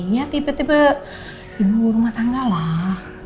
ya tipe tipe ibu rumah tangga lah